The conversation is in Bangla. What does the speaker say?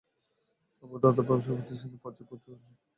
আবু দারদা তাঁর ব্যবসা প্রতিষ্ঠানে পৌঁছে উঁচু আসনে আসন করে বসলেন।